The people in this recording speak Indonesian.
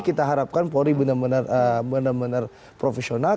kita harapkan polri benar benar profesional